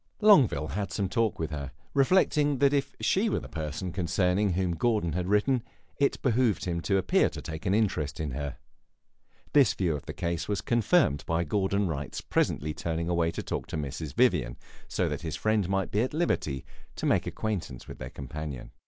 Longueville had some talk with her, reflecting that if she were the person concerning whom Gordon had written him, it behooved him to appear to take an interest in her. This view of the case was confirmed by Gordon Wright's presently turning away to talk with Mrs. Vivian, so that his friend might be at liberty to make acquaintance with their companion.